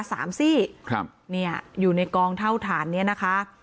สามซี่ครับเนี่ยอยู่ในกองเท่าฐานเนี้ยนะคะ